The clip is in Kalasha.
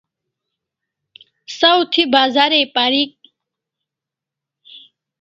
Saw thi Bazar ai parik e?